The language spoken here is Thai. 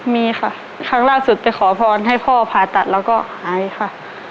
มีค่ะครั้งล่าสุดไปขอพรให้พ่อผ่าตัดแล้วก็หายค่ะ